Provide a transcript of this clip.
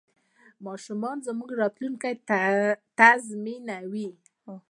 ماشومان زموږ راتلونکی تضمینوي.